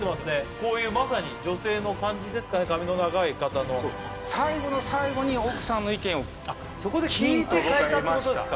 こういうまさに女性の感じですかね髪の長い方のそう最後の最後に奥さんの意見をあっそこで聞いて変えたってことですか